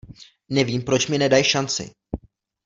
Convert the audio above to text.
Nevím, proč mi nedaj šanci.